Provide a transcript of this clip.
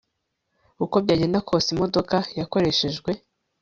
uko byagenda kose imodoka yakoreshejwe